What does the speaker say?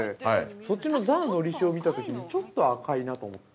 そっちの「Ｔｈｅのり塩」を見たときに、ちょっと赤いなと思って。